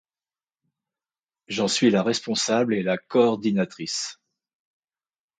J’en suis la responsable et la coordinatrice.